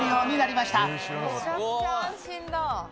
めちゃくちゃ安心だ。